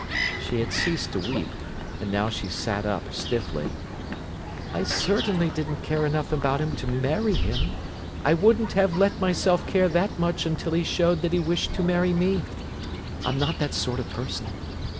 She had ceased to weep, and now she sat up stiffly. "I certainly didn't care enough about him to marry him; I wouldn't have let myself care that much until he showed that he wished to marry me. I'm not that sort of person!"